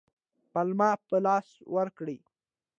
پلمه په لاس ورکړي.